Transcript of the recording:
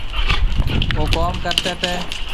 او ڪوم ڪرتي تي